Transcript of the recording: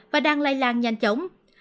và đang lây lan nhanh chóng